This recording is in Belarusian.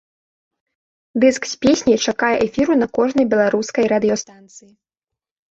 Дыск з песняй чакае эфіру на кожнай беларускай радыёстанцыі.